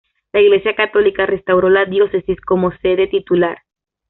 La Iglesia católica restauró la diócesis como sede titular.